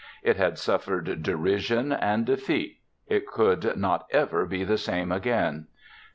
It had suffered derision and defeat. It could not ever be the same again.